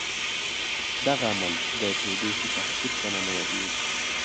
دغه عمل د تودوخې تحفظ په نامه یادیږي.